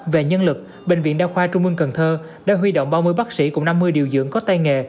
về nhân lực bệnh viện đa khoa trung mương cần thơ đã huy động ba mươi bác sĩ cùng năm mươi điều dưỡng có tay nghề